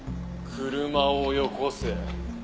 車をよこせ。